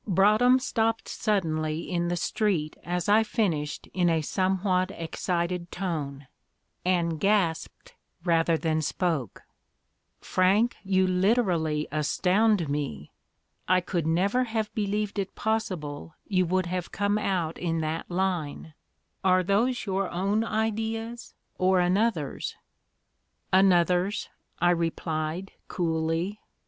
Broadhem stopped suddenly in the street as I finished in a somewhat excited tone, and gasped rather than spoke, "Frank, you literally astound me. I could never have believed it possible you would have come out in that line. Are those your own ideas or another's?" "Another's," I replied, coolly.